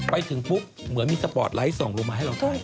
ไปถึงปุ๊บเหมือนมีสปอร์ตไลท์ส่งลงมาให้เราถ่าย